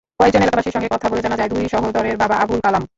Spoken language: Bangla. কয়েকজন এলাকাবাসীর সঙ্গে কথা বলে জানা যায়, দুই সহোদরের বাবা আবুল কালাম।